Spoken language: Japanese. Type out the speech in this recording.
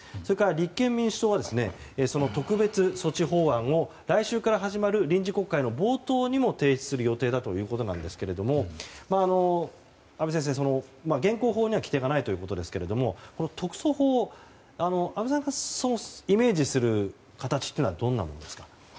立憲民主党は特別措置法案を来週から始まる臨時国会の冒頭にも提出する予定だということですが阿部先生、現行法には規定がないということですがその特措法、阿部さんがイメージする形というのはどういうものですか？